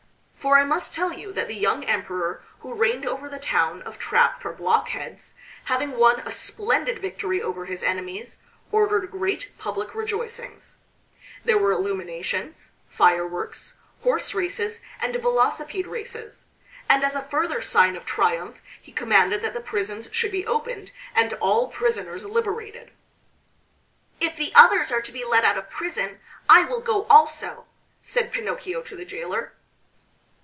For I must tell you that the young Emperor who reigned over the town of "Trap for Blockheads," having won a splendid victory over his enemies, ordered great public rejoicings. There were illuminations, fire works, horse races, and velocipede races, and as a further sign of triumph he commanded that the prisons should be opened and all prisoners liberated. "If the others are to be let out of prison, I will go also," said Pinocchio to the jailor.